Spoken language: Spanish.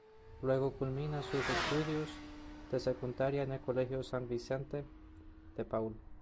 Luego culmina sus estudios de secundaria en el Colegio San Vicente de Paúl.